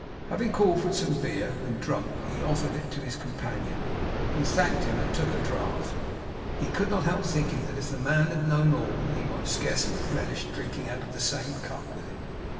Having called for some beer, and drunk, he offered it to this companion, who thanked him, and took a draught. He could not help thinking that, if the man had known all, he might scarcely have relished drinking out of the same cup with him.